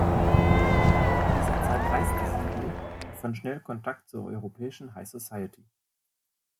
In dieser Zeit reiste sie viel und fand schnell Kontakt zur europäischen High Society.